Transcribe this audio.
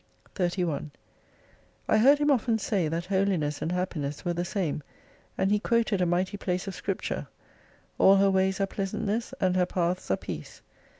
31 I heard him often say that holiness and happiness ■were the same, and he quoted a mighty place of scrip ture — All her ways are pleasantness and her paths are peace.